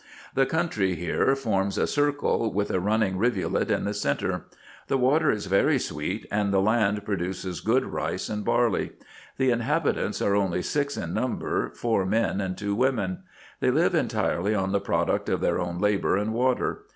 The country here forms a circle, with a running rividet in the centre. The water is very sweet, and the land pro duces good rice and barley. The inhabitants are only six in number, four men and two women : they live entirely on the product of their own labour and water.